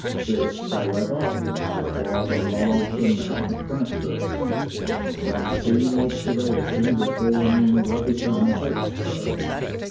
This, however, requires a large amount of practice and some keen observation before an angler becomes expert.